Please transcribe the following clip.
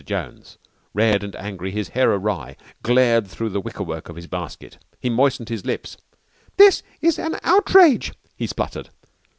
Jones, red, and angry, his hair awry, glared through the wickerwork of his basket. He moistened his lips. "This is an outrage," he spluttered.